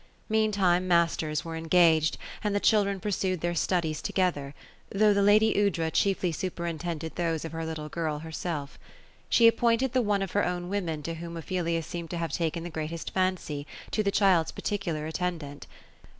Meantime, roasters were engaged ; and the children pursued their studies together ; though the lady Aoudra chiefly superintended those of her little girl herself She appointed the one of her own women to whom Ophelia seemed to have taken the greatest fancy, to the child's particular attendant.